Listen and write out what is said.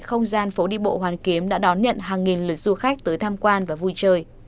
không gian phố đi bộ hoàn kiếm đã đón nhận hàng nghìn lượt du khách tới tham quan và vui chơi